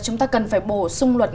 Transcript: chúng ta cần phải bổ sung luật